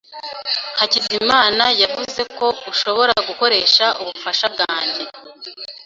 Hakizimana yavuze ko ushobora gukoresha ubufasha bwanjye.